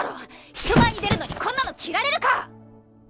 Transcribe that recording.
人前に出るのにこんなの着られるか！